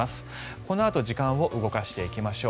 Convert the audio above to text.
このあと時間を動かしていきましょう。